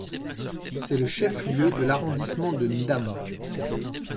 C'est le chef-lieu de l'arrondissement de Ndame.